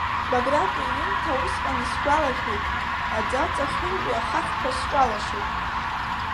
Баграт иҩымҭа усҟан исгәалашәеит, аӡы аҵахьынтәи ахаҳәқәа сҿалашеит.